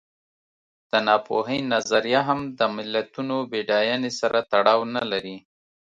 د ناپوهۍ نظریه هم د ملتونو بډاینې سره تړاو نه لري.